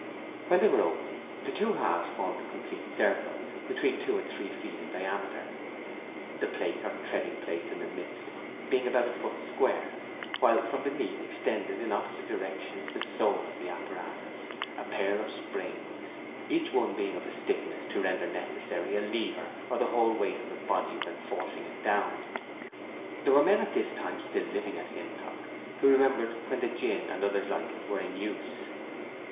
When they were open, the two halves formed a complete circle between two and three feet in diameter, the plate or treading place in the midst being about a foot square, while from beneath extended in opposite directions the soul of the apparatus, the pair of springs, each one being of a stiffness to render necessary a lever or the whole weight of the body when forcing it down. There were men at this time still living at Hintock who remembered when the gin and others like it were in use.